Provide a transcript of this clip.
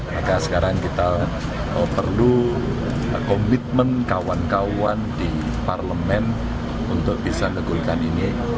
maka sekarang kita perlu komitmen kawan kawan di parlemen untuk bisa ngegulkan ini